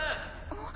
あっ。